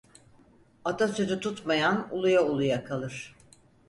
Ata sözü tutmayan, uluya uluya kalır.